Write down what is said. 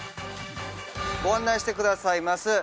ご案内してくださいます